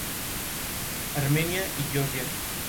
Armenia y Georgia.